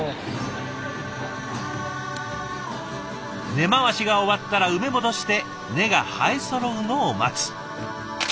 根回しが終わったら埋め戻して根が生えそろうのを待つ。